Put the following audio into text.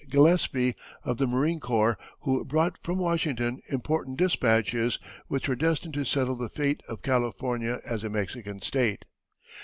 Gillespie, of the marine corps, who brought from Washington important despatches which were destined to settle the fate of California as a Mexican state.